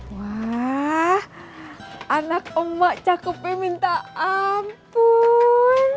wah anak emak cakepnya minta ampun